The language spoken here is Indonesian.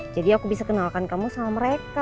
jadi aku bisa kenalkan kamu sama mereka